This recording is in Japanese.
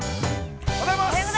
◆おはようございます。